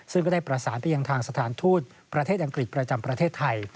ซึ่งก็ได้ประสานไปยังทางสถานทูตประเทศอังกฤษประจำประเทศไทย